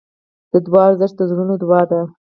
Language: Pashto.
د دعا ارزښت د زړونو دوا ده.